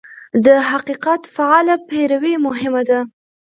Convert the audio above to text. د حقیقت فعاله پیروي مهمه ده.